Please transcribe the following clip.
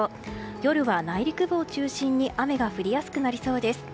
夜は内陸部を中心に雨が降りやすくなりそうです。